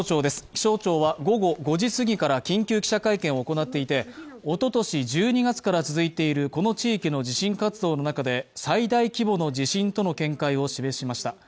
気象庁は午後５時すぎから緊急記者会見を行っていておととし１２月から続いているこの地域の地震活動の中で最大規模の地震との見解を示しました。